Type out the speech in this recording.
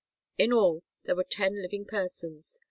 In all, there were ten living persons.